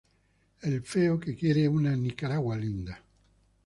El feo que quiere una Nicaragua linda"".